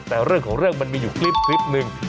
แต่เรื่องของเรื่องมันมีอยู่คลิปหนึ่ง